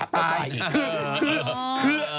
ตายอีก